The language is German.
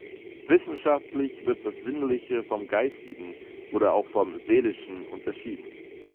Wissenschaftlich wird das Sinnliche vom Geistigen oder auch vom Seelischen unterschieden.